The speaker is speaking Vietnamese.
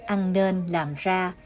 ăn nên làm ra